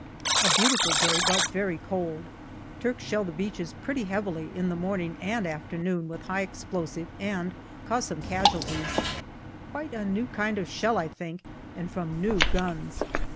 A BEAUTIFUL day, but very cold. Turks shell the beaches pretty heavily in the morning and afternoon with high explosive and cause some casualties. Quite a new kind of shell, I think, and from new guns.